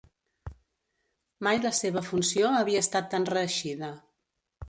Mai la seva funció havia estat tan reeixida.